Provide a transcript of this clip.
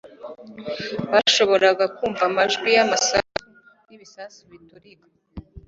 bashoboraga kumva amajwi y'amasasu n'ibisasu biturika